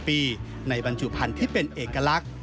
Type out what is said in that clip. เพราะเนื้อสูดมันจะอร่อย